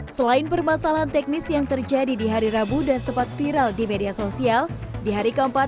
selain permasalahan teknis yang terjadi di hari rabu dan sempat viral di media sosial di hari keempat